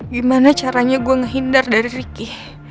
gimana caranya gue ngehindar dari riki